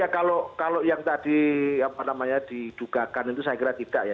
kalau yang tadi diduga saya kira tidak